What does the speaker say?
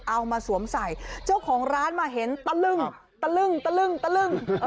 เอามาสวมใส่เจ้าของร้านมาเห็นตะลึ่งตะลึ่งตะลึ่งตะลึ่ง